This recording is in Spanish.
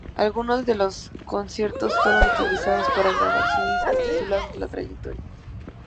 Algunos de los conciertos fueron utilizados para grabar su disco titulado "La Trayectoria".